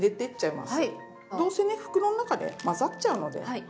どうせね袋の中で混ざっちゃうので。